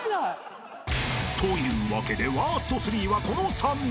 ［というわけでワースト３はこの３人］